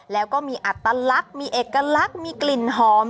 แล้วก็มีอัตลักษณ์มีเอกลักษณ์มีกลิ่นหอม